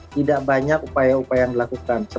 tidak banyak upaya upaya yang dilakukan